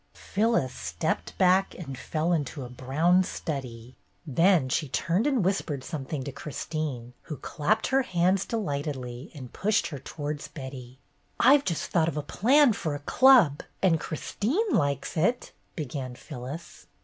Phyllis stepped back and fell into a brown study. Then she turned and whispered some thing to Christine, who clapped her hands delightedly and pushed her towards Betty. "I've just thought of a plan for a club, and Christine likes it —" began Phyllis.